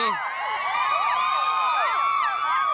อ่าพร้อมแล้ว